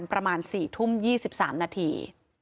ประมาณ๔ทุ่ม๒๓นาที